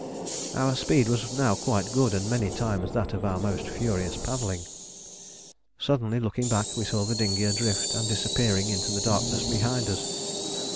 Our speed was now quite good and many times that of our most furious paddling. Suddenly looking back, we saw the dinghy adrift and disappearing in the darkness behind us.